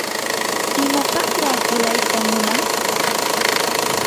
¿imapaqraa qilayta munan?